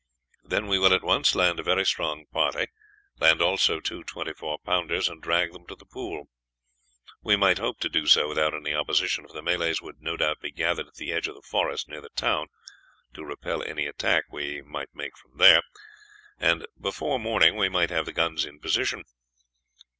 Then we will at once land a very strong party, land also two twenty four pounders, and drag them to the pool. We might hope to do so without any opposition, for the Malays would no doubt be gathered at the edge of the forest near the town to repel any attack we might make from there, and before morning we might have the guns in position.